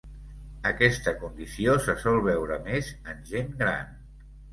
Aquesta condició se sol veure més en gent gran.